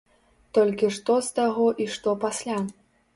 Толькі што з таго і што пасля?